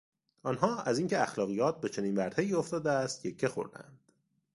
آنها از این که اخلاقیات به چنین ورطهای افتاده است یکه خوردند.